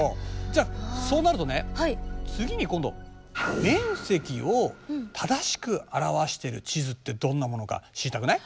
じゃあそうなるとね次に今度面積を正しく表している地図ってどんなものか知りたくない？